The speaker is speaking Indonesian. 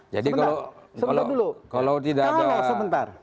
jadi kalau kalau kalau sebentar